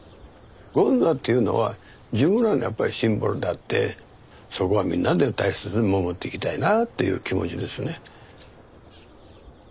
権座っていうのは自分らのやっぱりシンボルであってそこはみんなで大切に守っていきたいなあっていう気持ちですね。